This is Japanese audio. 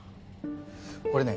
これね